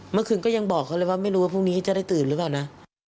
เมื่อคืนก็ยังบอกเขาเลยว่าไม่รู้ว่าพรุ่งนี้จะได้ตื่นหรือเปล่านะ